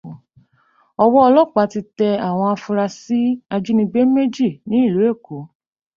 Ọwọ́ ọlọ́pàá ti tẹ àwọn afurasí ajínigbé méjì ní ìlú Èkó